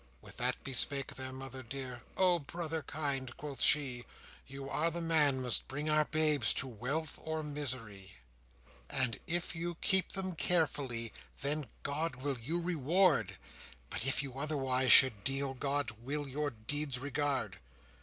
With that bespake their mother dear: "O brother kind," quoth she, "You are the man must bring our babes To wealth or misery. "And if you keep them carefully, Then God will you reward; But if you otherwise should deal, God will your deeds regard."